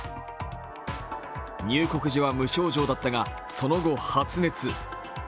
入国時は無症状だったが、その後、発熱。